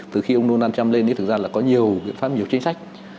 từ khi ông donald trump lên thì thực ra là có nhiều phát nhiều chính sách